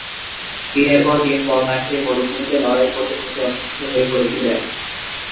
দিনের পর দিন জল না খেয়ে মরুভূমিতে লড়াই করতে করতে অসুস্থ হয়ে পড়েছিলেন।